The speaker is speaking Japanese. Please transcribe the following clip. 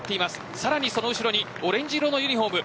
さらにその後ろにオレンジ色のユニホーム。